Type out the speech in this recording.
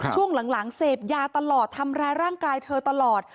ช่วงหลังเสพยาตลอดทำร้ายร่างกายเธอตลอด